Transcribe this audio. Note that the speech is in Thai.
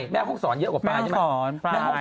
แม่ห้องศอดนึงเยอะกว่าปลายใช่ไหม